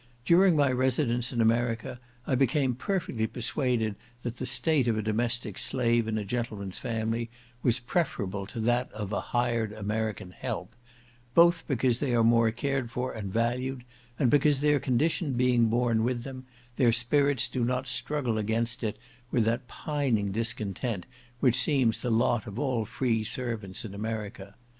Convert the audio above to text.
During my residence in America I became perfectly persuaded that the state of a domestic slave in a gentleman's family was preferable to that of a hired American "help," both because they are more cared for and valued, and because their condition being born with them, their spirits do not struggle against it with that pining discontent which seems the lot of all free servants in America.